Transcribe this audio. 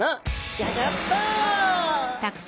ギョギョッと。わ！